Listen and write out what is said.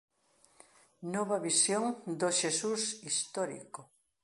Nova visión do Xesús Histórico".